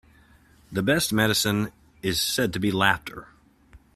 The best medicine is said to be laughter.